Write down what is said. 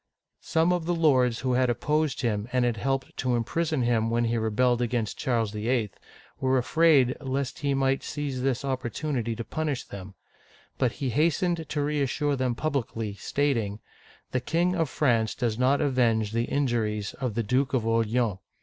Some of the lords who had opposed him and had helped to imprison him when he rebelled against Charles VI 1 1, (see page 213) were afraid lest he might seize this opportunity to punish them ; but he hastened to reassure them by publicly stating, " The King of France does not avenge the injuries of the Duke of Orleans